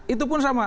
itu pun sama